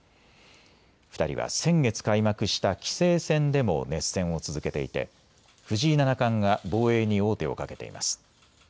２人は先月開幕した棋聖戦でも熱戦を続けていて藤井七冠が防衛に王手をかけています。